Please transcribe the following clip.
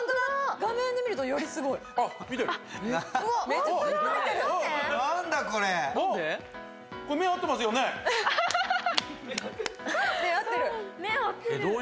画面で見るとよりすごい。